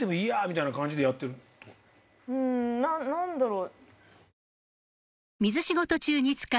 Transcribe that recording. うーん何だろう？